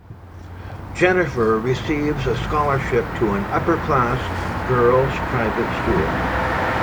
Jennifer receives a scholarship to an upper-class girls private school.